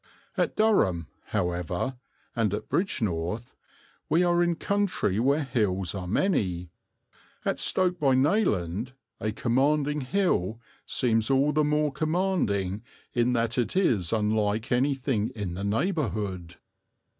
At Durham, however, and at Bridgnorth, we are in country where hills are many; at Stoke by Nayland a commanding hill seems all the more commanding in that it is unlike anything in the neighbourhood.